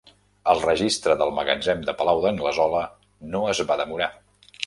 El registre del magatzem de Palau d'Anglesola no es va demorar.